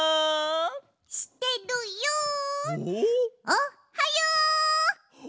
おっはよ！